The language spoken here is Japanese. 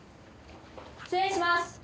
失礼します！